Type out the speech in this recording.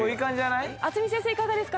いかがですか？